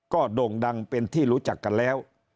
ก็โด่งดังเป็นที่รู้จักกันแล้ว